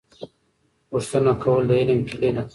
پوښتنه کول د علم کیلي ده.